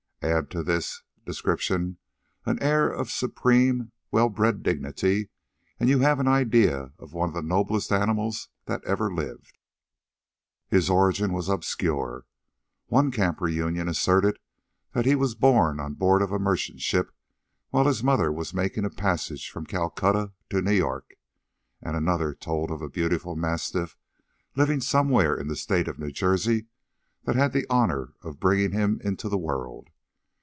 Add to this description an air of supreme, well bred dignity, and you have an idea of one of the noblest animals that ever lived. His origin was obscure; one camp reunion asserted that he was born on board of a merchant ship while his mother was making a passage from Calcutta to New York; and another told of a beautiful mastiff living somewhere in the State of New Jersey that had the honor of bringing him into the world.